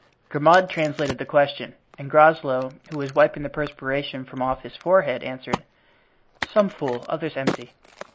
Grimaud translated the question, and Groslow, who was wiping the perspiration from off his forehead, answered: "Some full, others empty."